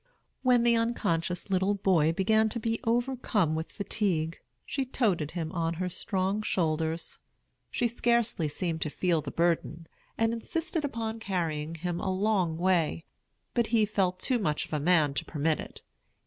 When the unconscious little boy began to be overcome with fatigue she "toted" him on her strong shoulders. She scarcely seemed to feel the burden, and insisted upon carrying him a long way; but he felt too much of a man to permit it.